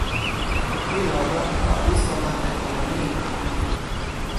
ilo nanpa li sona e kama ni.